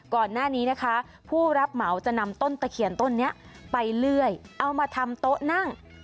ก่อนหน้านี้นะคะผู้รับเหมาจะนำต้นตะเคียนต้นนี้ไปเลื่อยเอามาทำโต๊ะนั่ง